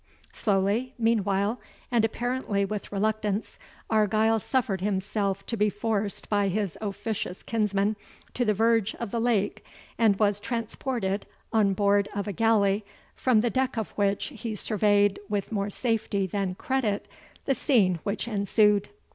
Slowly, meanwhile, and apparently with reluctance, Argyle suffered himself to be forced by his officious kinsmen to the verge of the lake, and was transported on board of a galley, from the deck of which he surveyed with more safety than credit the scene which ensued.